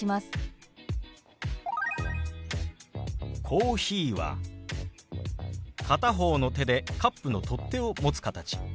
「コーヒー」は片方の手でカップの取っ手を持つ形。